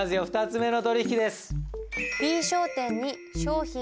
２つ目の取引です。